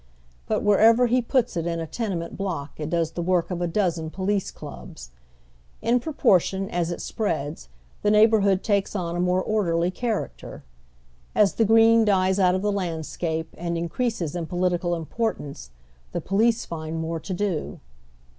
But wherever he puts it in a tenement block it does the work of a dozen police clubs. In proportion as it spi eads the neighborhood takes on a more orderly character. As the green dies out of the landscape and increases in political importance, the police find more to do.